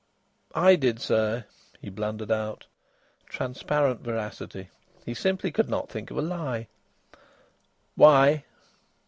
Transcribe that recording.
"I did, sir," he blundered out. Transparent veracity. He simply could not think of a lie. "Why?"